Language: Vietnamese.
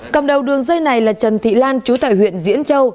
cầm đầu đường dây này là trần thị lan chú tài huyện diễn châu